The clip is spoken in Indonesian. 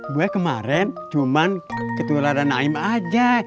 gue kemarin cuma ketularan naim aja